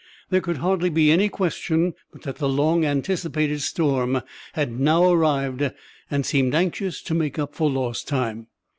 There could hardly be any question but that the long anticipated storm had now arrived, and seemed anxious to make up for lost time.